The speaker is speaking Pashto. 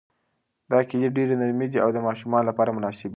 دا کیلې ډېرې نرمې دي او د ماشومانو لپاره مناسبې دي.